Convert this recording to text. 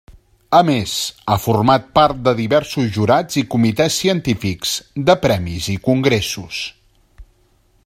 A més, ha format part de diversos jurats i comitès científics de premis i congressos.